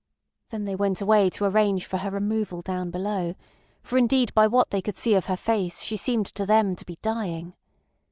Then they went away to arrange for her removal down below, for indeed by what they could see of her face she seemed to them to be dying.